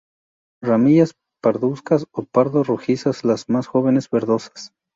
Ramillas parduzcas o pardo-rojizas, las más jóvenes verdosas.